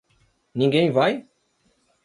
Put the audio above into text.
Ninguém vai?